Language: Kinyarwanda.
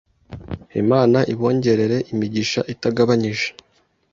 Imana ibongerere Imigisha itagabanyije